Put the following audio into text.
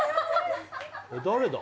誰だ？